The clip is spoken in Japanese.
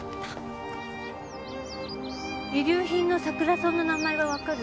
遺留品のサクラソウの名前はわかる？